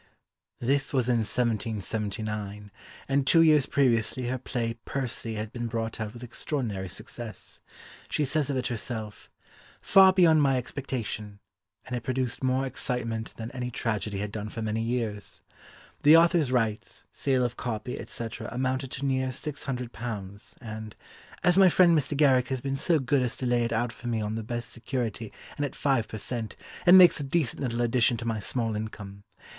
This was in 1779, and two years previously her play Percy had been brought out with extraordinary success; she says of it herself, "far beyond my expectation," and it produced more excitement than any tragedy had done for many years. The author's rights, sale of copy, etc., amounted to near six hundred pounds, and "as my friend Mr. Garrick has been so good as to lay it out for me on the best security and at five per cent., it makes a decent little addition to my small income.